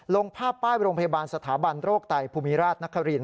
ลงภาพป้ายโรงพยาบาลสถาบันโรคไตภูมิราชนคริน